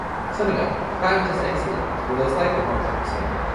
Summing up, the climate is excellent, although slightly harsh in the summer.